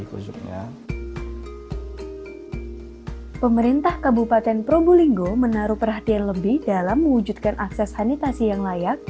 pemerintah kabupaten probolinggo menaruh perhatian lebih dalam mewujudkan akses sanitasi yang layak